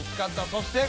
そして。